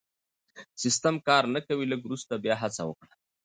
سيسټم کار نه کوي لږ وروسته بیا هڅه وکړئ